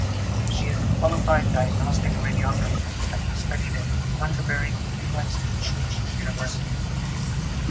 She is a qualified Diagnostic Radiographer having studied at Canterbury Christ Church University.